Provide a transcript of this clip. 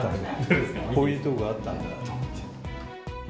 こういうところあったんだなと思って。